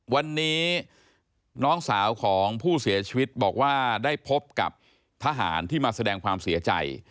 วันนี้น้องสาวของผู้เสียชีวิตบอกว่าได้พบกับทหารที่มาแสดงความเสียใจ